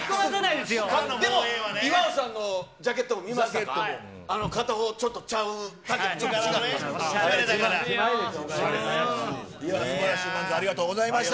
でも、岩尾さんのジャケットあの片方、ちょっとちゃう感すばらしい漫才、ありがとうございました。